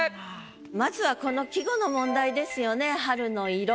まずはこの季語の問題ですよね「春の色」。